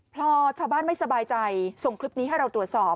พอชาวบ้านไม่สบายใจส่งคลิปนี้ให้เราตรวจสอบ